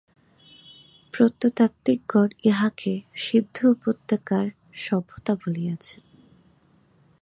প্রত্নতাত্ত্বিকগণ ইহাকে সিন্ধু-উপত্যকার সভ্যতা বলিয়াছেন।